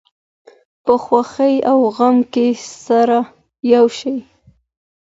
په خوښۍ او غم کې سره یو شئ.